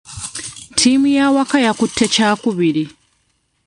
Ttiimu y'awaka yakutte kyakubiri.